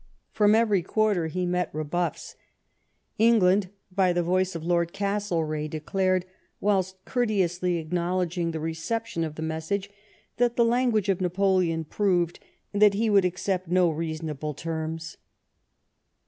From every quarter he met rebuffs. England, by the voice of Lord Castlereagh, declared, whilst courteously acknow ledging the reception of the message, that the language of Napoleon proved that he would accept no reasonable terms.